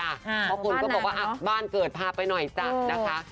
บ้านหนาหรือป่ะเพราะคนก็บอกว่าบ้านเกิดพาไปหน่อยจ่ะ